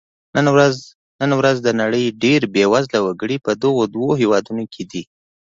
نن ورځ د نړۍ ډېری بېوزله وګړي په دغو دوو هېوادونو کې دي.